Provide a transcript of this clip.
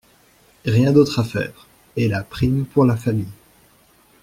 Rien d’autre à faire. Et la prime pour la famille.